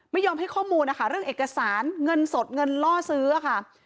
ไม่ยอมให้ข้อมูลนะคะเรื่องเอกสารเงินสดเงินล่อซื้อค่ะ